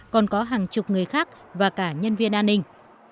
còn có hàng chục người khác và cả nhân viên an ninh